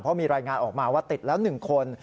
เพราะมีรายงานออกมาว่าติดแล้ว๑คน